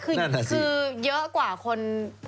คือเยอะกว่าคน